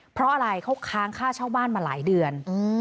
เพราะอะไรเขาค้างค่าเช่าบ้านมาหลายเดือน